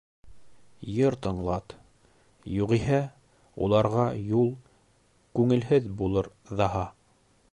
«Йыр» тыңлат, юғиһә уларға юл күңелһеҙ булыр ҙаһа.